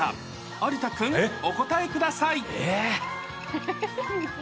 有田君、お答えください。